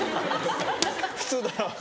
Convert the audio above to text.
普通だな。